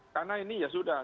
karena ini ya sudah